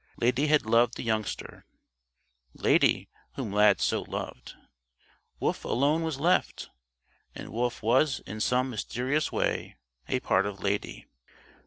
Lady had loved the youngster Lady, whom Lad so loved. Wolf alone was left; and Wolf was in some mysterious way a part of Lady.